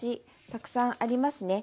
たくさんありますね。